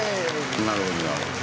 なるほどなるほど。